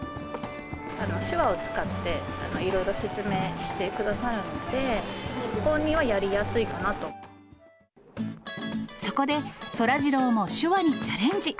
手話を使って、いろいろ説明してくださるので、そこで、そらジローも手話にチャレンジ。